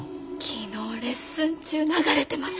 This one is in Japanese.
昨日レッスン中流れてました。